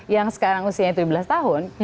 yang sekarang usianya tujuh belas tahun